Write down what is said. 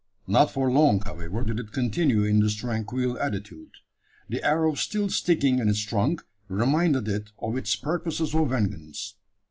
Not for long, however, did it continue in this tranquil attitude. The arrow still sticking in its trunk reminded it of its purposes of vengeance.